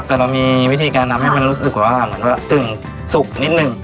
แต่เรามีวิธีการทำให้มันรู้สึกว่าเหมือนว่ากึ่งสุกนิดนึง